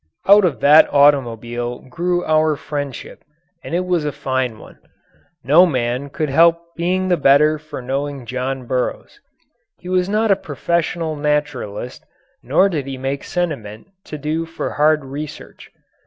Out of that automobile grew our friendship, and it was a fine one. No man could help being the better for knowing John Burroughs. He was not a professional naturalist, nor did he make sentiment do for hard research.